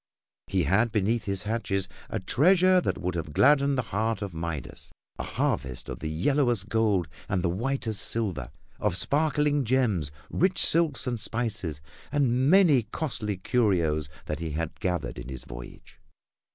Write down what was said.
He had beneath his hatches a treasure that would have gladdened the heart of Midas a harvest of the yellowest gold and whitest silver of sparkling gems, rich silks and spices, and many costly curios that he had gathered in his voyage.